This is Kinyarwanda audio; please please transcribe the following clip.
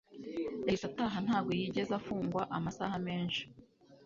yahise ataha ntago yigeze afungwa amasaha menshi